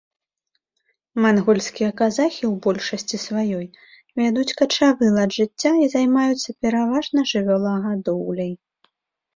Мангольскія казахі ў большасці сваёй вядуць качавы лад жыцця і займаюцца пераважна жывёлагадоўляй.